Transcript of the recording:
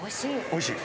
おいしい？